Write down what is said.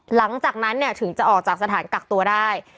หลังจากนั้นถึงจะออกจากสถานกักตัวได้